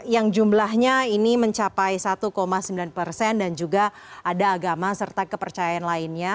yang jumlahnya ini mencapai satu sembilan persen dan juga ada agama serta kepercayaan lainnya